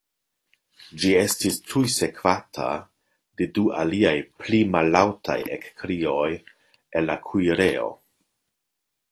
Ĝi estis tuj sekvata de du aliaj pli mallaŭtaj ekkrioj el la kuirejo.